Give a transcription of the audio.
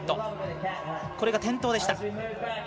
これが転倒でした。